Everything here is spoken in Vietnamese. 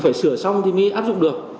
phải sửa xong thì mới áp dụng được